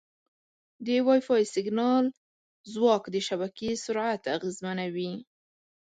د وائی فای سیګنال ځواک د شبکې سرعت اغېزمنوي.